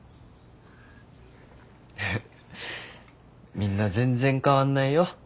みんな全然変わんないよ。